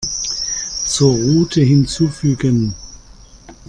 Zur Route hinzufügen.